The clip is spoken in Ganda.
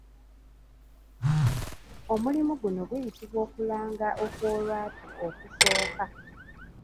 Omulimu guno guyitibwa Okulanga Okw'olwatu Okusooka.